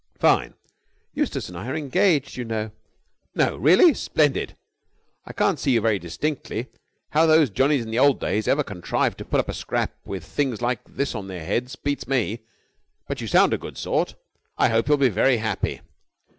"Fine!" "Eustace and I are engaged, you know!" "No, really? Splendid! I can't see you very distinctly how those Johnnies in the old days ever contrived to put up a scrap with things like this on their heads beats me but you sound a good sort. I hope you'll be very happy."